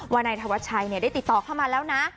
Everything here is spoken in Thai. นายธวัชชัยได้ติดต่อเข้ามาแล้วนะ